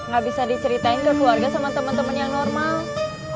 gak bisa di ceritain ke keluarga sama temen temen yang normal